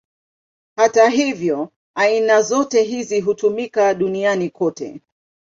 Hata hivyo, aina zote hizi hutumika duniani kote.